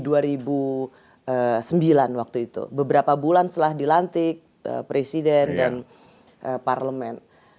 di dua ribu sembilan waktu itu beberapa bulan setelah dilantik presiden dan parlemen